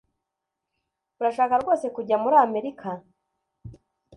Urashaka rwose kujya muri Amerika?